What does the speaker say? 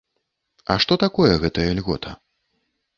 А што такое гэтая льгота?